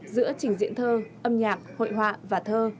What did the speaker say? giữa trình diễn thơ âm nhạc hội họa và thơ